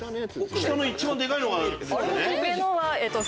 下の一番でかいのですね。